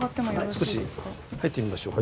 少し入ってみましょうか。